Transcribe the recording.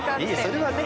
それはね